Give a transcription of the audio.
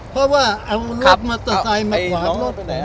เพราะว่าเอารถมอเตอร์ไซค์มาขวางรถ